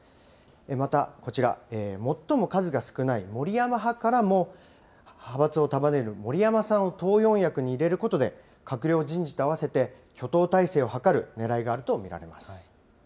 また、こちら、最も数が少ない森山派からも、派閥を束ねる森山さんを党四役に入れることで、閣僚人事と合わせて、挙党態勢を図るねらいがあると見られます。